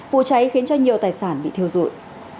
vụ cháy khiến cho nhiều tài sản bị thiêu dụi